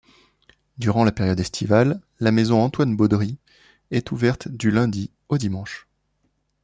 Durant la période estivale, la Maison Antoine-Beaudry est ouverte du lundi au dimanche.